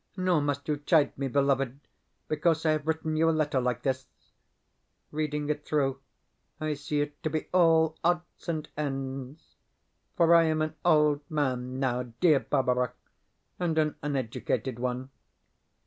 Nor must you chide me, beloved, because I have written you a letter like this (reading it through, I see it to be all odds and ends); for I am an old man now, dear Barbara, and an uneducated one.